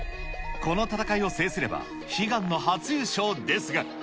この戦いを制すれば悲願の初優勝ですが。